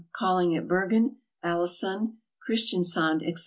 calling at Bergen, Aalesund, Christiansand, etc.